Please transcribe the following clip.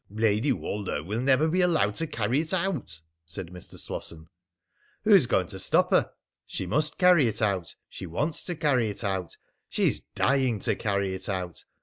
"Lady Woldo will never be allowed to carry it out," said Mr. Slosson. "Who's going to stop her? She must carry it out. She wants to carry it out. She's dying to carry it out.